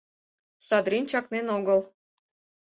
Шадрин чакнен огыл.